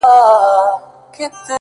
• هر یو غشی چي واریږي زموږ له کور دی ,